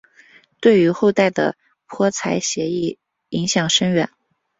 对于后代的泼彩写意影响深远。